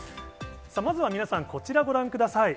まずは皆さん、こちら、ご覧ください。